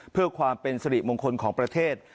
เพื่อความเป็นสริมงคลของประเทศ